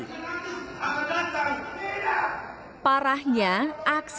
parahnya aksi pertengkaran ini tidak terjadi